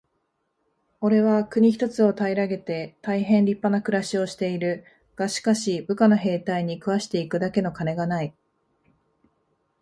「おれは国一つを平げて大へん立派な暮しをしている。がしかし、部下の兵隊に食わして行くだけの金がない。」